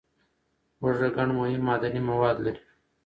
هوږه ګڼ مهم معدني مواد لري.